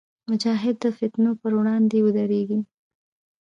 مجاهد د فتنو پر وړاندې ودریږي.